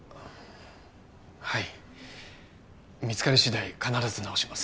はい見つかりしだい必ず治します